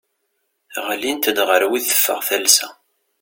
Ɣlint-d ɣer wid teffeɣ talsa.